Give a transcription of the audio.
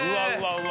うわ